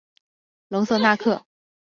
隆瑟纳克。